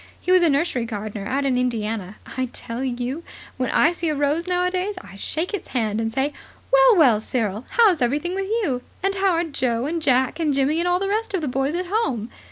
He was a nursery gardener out in Indiana. I tell you, when I see a rose nowadays, I shake its hand and say: 'Well, well, Cyril, how's everything with you? And how are Joe and Jack and Jimmy and all the rest of the boys at home?'